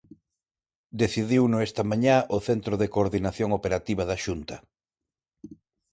Decidiuno esta mañá o Centro de Coordinación Operativa da Xunta.